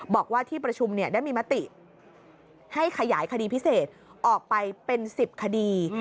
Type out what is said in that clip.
บอกว่าที่ประชุมได้มีมติให้ขยายคดีพิเศษออกไปเป็น๑๐คดี